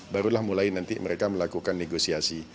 barulah mulai nanti mereka melakukan negosiasi